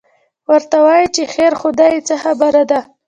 ورته وایي چې خیر خو دی، څه خبره ده؟